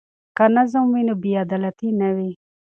که نظم وي نو بې عدالتي نه وي.